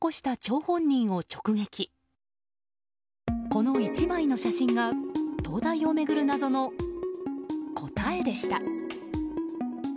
この１枚の写真が灯台を巡る謎の答えでした。